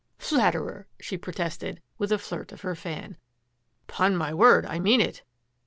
" Flatterer !" she protested, with a flirt of her fan. " Ton my word, I mean it."